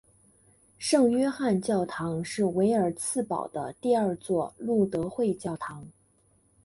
圣约翰教堂是维尔茨堡的第二座路德会教堂。